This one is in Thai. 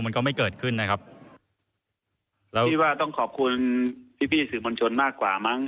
มันก็ไม่เกิดขึ้นนะครับแล้วพี่ว่าต้องขอบคุณพี่พี่สื่อมวลชนมากกว่ามั้ง